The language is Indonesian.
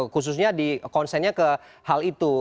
khususnya dikonsennya ke hal itu